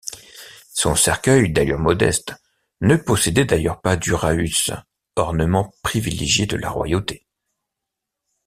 Son cercueil, d'allure modeste, ne possédait d'ailleurs pas d'uræus, ornement privilégié de la royauté.